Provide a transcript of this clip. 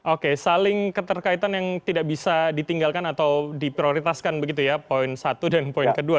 oke saling keterkaitan yang tidak bisa ditinggalkan atau diprioritaskan begitu ya poin satu dan poin kedua